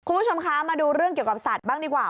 คุณผู้ชมคะมาดูเรื่องเกี่ยวกับสัตว์บ้างดีกว่า